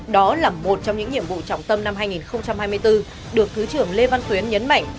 đó là một trong những nhiệm vụ trọng tâm năm hai nghìn hai mươi bốn được thứ trưởng lê văn tuyến nhấn mạnh